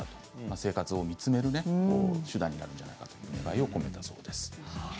生活を見つめる手段になるんじゃないかという内容を込めたそうです。